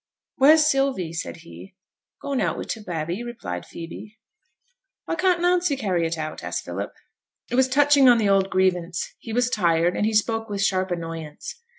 'Where's Sylvie?' said he. 'Gone out wi' t' babby,' replied Phoebe. 'Why can't Nancy carry it out?' asked Philip. It was touching on the old grievance: he was tired, and he spoke with sharp annoyance.